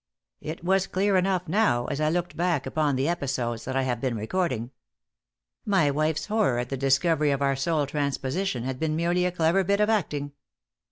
It was clear enough, now, as I looked back upon the episodes that I have been recording. My wife's horror at the discovery of our soul transposition had been merely a clever bit of acting.